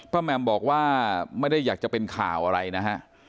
แมมบอกว่าไม่ได้อยากจะเป็นข่าวอะไรนะฮะ